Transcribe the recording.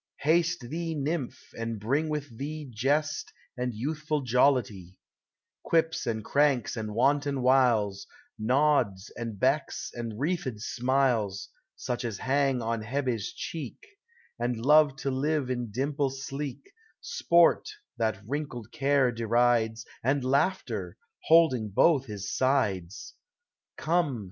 Haste thee, nymph, and bring with thee Jest, and youthful Jollity, — Quips and cranks and wanton wiles, Nods and becks and wreathed smiles, Such as hang on Hebe's cheek, And love to live in dimple sleek, — Sport, that wrinkled Care derides, And Laughter, holding both his sides. Come